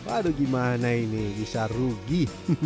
aduh gimana ini bisa rugi